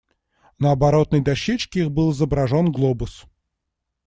На оборотной дощечке их был изображен глобус.